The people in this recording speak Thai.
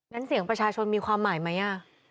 งั้นเสียงประชาชนมีความหมายมั้ยอ่ะ